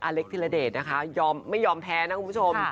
เล็กธิระเดชนะคะไม่ยอมแพ้นะคุณผู้ชม